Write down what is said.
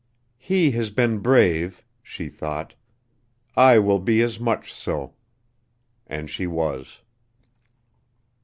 "He has been brave," she thought; "I will be as much so" and she was.